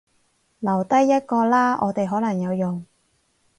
留低一個啦，我哋可能有用